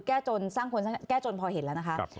แก้จนสร้างคนสร้างชาติแก้จนพอเห็นแล้วนะคะ